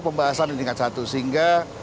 pembahasan di tingkat satu sehingga